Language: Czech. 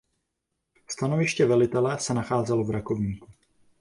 Stanoviště velitele se nacházelo v Rakovníku.